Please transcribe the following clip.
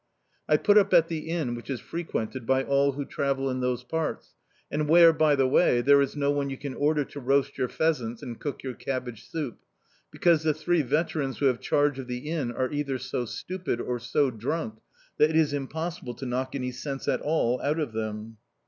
I put up at the inn which is frequented by all who travel in those parts, and where, by the way, there is no one you can order to roast your pheasant and cook your cabbage soup, because the three veterans who have charge of the inn are either so stupid, or so drunk, that it is impossible to knock any sense at all out of them.